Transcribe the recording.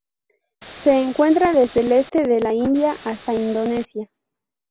Se encuentra desde el este de la India hasta Indonesia.